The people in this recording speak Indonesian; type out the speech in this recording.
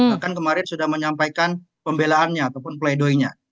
bahkan kemarin sudah menyampaikan pembelaannya ataupun pleidoynya